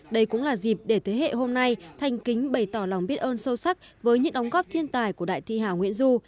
đây cũng là dịp để thế hệ hôm nay thanh kính bày tỏ lòng biết ơn sâu sắc với những đóng góp thiên tài của đại thi hảo nguyễn du